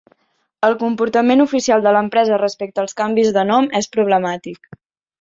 El comportament oficial de l'empresa respecte als canvis de nom és problemàtic.